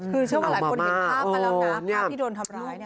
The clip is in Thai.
คือเชื่อว่าหลายคนเห็นภาพมาแล้วนะภาพที่โดนทำร้าย